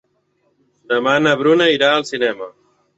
Demà na Bruna irà al cinema.